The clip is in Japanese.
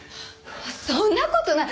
そんな事ない！